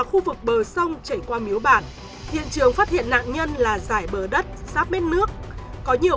khu vực bờ sông chảy qua miếu bản hiện trường phát hiện nạn nhân là giải bờ đất sát bên nước có nhiều